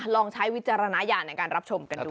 ลองใช้วิจารณญาณในการรับชมกันดู